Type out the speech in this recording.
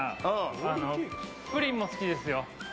プリンも好きですよ。